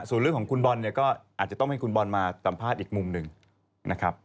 ส่วนเรื่องของคุณบอลเนี่ยก็อาจจะต้องให้คุณบอลมาสัมภาษณ์อีกมุมหนึ่งนะครับ